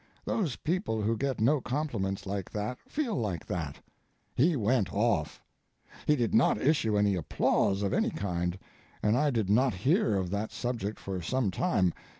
Those people who get no compliments like that feel like that. He went off. He did not issue any applause of any kind, and I did not hear of that subject for some time.